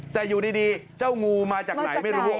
แต่อยู่ดีเจ้างูมาจากไหนไม่รู้